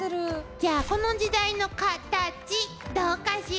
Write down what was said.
じゃあこの時代のカタチどうかしら？